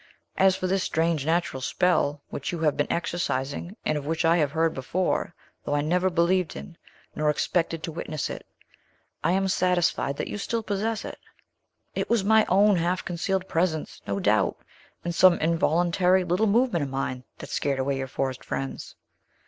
As for this strange, natural spell, which you have been exercising, and of which I have heard before, though I never believed in, nor expected to witness it, I am satisfied that you still possess it. It was my own half concealed presence, no doubt, and some involuntary little movement of mine, that scared away your forest friends."